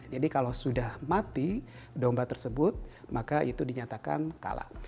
jadi kalau sudah mati domba tersebut maka itu dinyatakan kalah